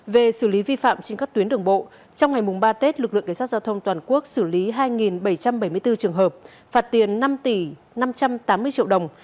về xử lý vi phạm trên các tuyến đường bộ trong ngày ba tết lực lượng cảnh sát giao thông toàn quốc xử lý hai bảy trăm bảy mươi bốn trường hợp phạt tiền năm trăm tám mươi triệu đồng